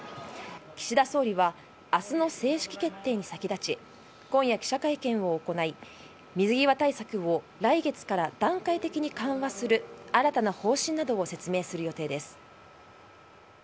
岸田総理は明日の正式決定に先立ち今夜、記者会見を行い水際対策を来月から段階的に緩和する新たな方針などを説明する予定です。